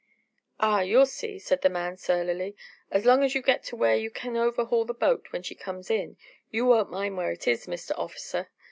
"Ah, you'll see," said the man surlily. "As long as you get to where you can overhaul the boat when she comes in, you won't mind where it is, Mister Orficer.